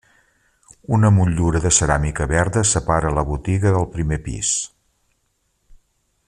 Una motllura de ceràmica verda separa la botiga del primer pis.